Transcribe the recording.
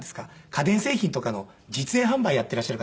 家電製品とかの実演販売やっていらっしゃる方。